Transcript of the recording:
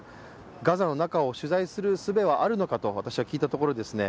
ガザの中を取材するすべはあるのかと私が聞いたところですね